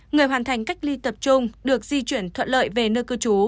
người hoàn thành cách ly tập trung được di chuyển thuận lợi về nơi cư trú